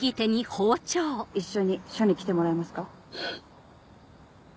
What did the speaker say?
一緒に署に来てもらえますか？